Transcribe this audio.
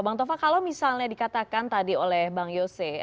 bang tova kalau misalnya dikatakan tadi oleh bang yose